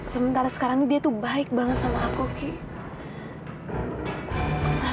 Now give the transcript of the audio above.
sementara sekarang ini dia tuh baik banget sama akui